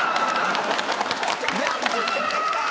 やったー！